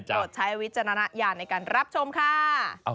โดดใช้วิจารณาอย่างในการรับชมค่ะ